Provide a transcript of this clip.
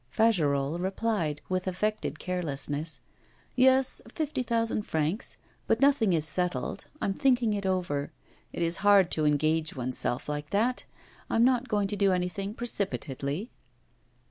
Fagerolles replied, with affected carelessness, 'Yes, fifty thousand francs. But nothing is settled; I'm thinking it over. It is hard to engage oneself like that. I am not going to do anything precipitately.